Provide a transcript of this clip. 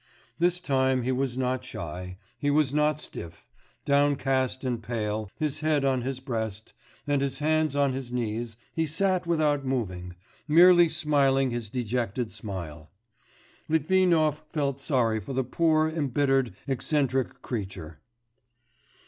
This time he was not shy, he was not stiff; downcast and pale, his head on his breast, and his hands on his knees, he sat without moving, merely smiling his dejected smile. Litvinov felt sorry for the poor, embittered, eccentric creature.